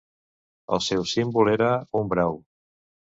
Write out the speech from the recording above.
El seu símbol era un brau.